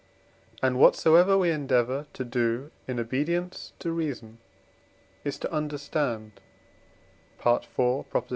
and whatsoever we endeavour to do in obedience to reason is to understand (IV.